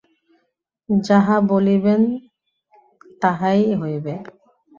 যাহা বলিবেন তাহাই হইবে।